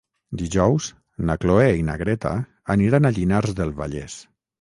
Dijous na Cloè i na Greta aniran a Llinars del Vallès.